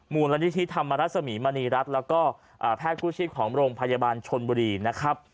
มูลนิธิธรรมรสมีมณีรัฐแล้วก็แพทย์กู้ชีพของโรงพยาบาลชนบุรีนะครับ